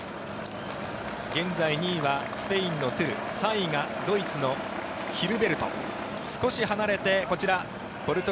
現在２位はスペインのトゥル３位がドイツのヒルベルト。